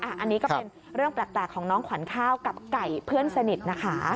อันนี้ก็เป็นเรื่องแปลกของน้องขวัญข้าวกับไก่เพื่อนสนิทนะคะ